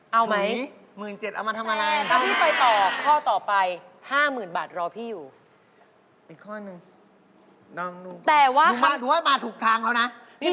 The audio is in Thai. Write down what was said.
เอาไหมแต่ถ้าพี่ไปตอบถุย๑๗เอามาทำอะไร